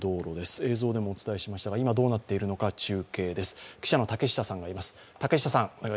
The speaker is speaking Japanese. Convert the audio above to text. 映像でもお伝えしましたが今どうなっているのか、中継です。